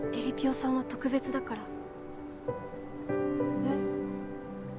さんは特別だからえっ？